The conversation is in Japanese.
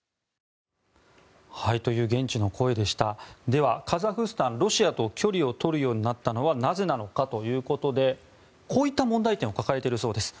ではカザフスタン、ロシアと距離をとるようになったのはなぜなのかということでこういった問題点を抱えているそうです。